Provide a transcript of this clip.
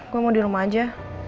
gue mau di rumah aja